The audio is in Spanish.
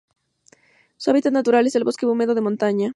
Su hábitat natural es el bosque húmedo de montaña.